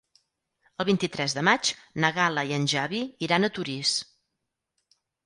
El vint-i-tres de maig na Gal·la i en Xavi iran a Torís.